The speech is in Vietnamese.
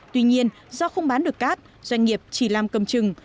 tuy nhiên do không bán được cát doanh nghiệp chỉ làm cầm chừng